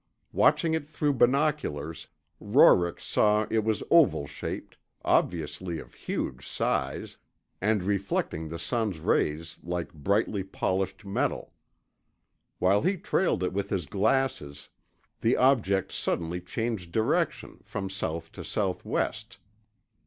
Watching it through binoculars, Roerich saw it was oval shaped, obviously of huge size, and reflecting the sun's rays like brightly polished metal. While he trailed it with his glasses, the object suddenly changed direction, from south to southwest.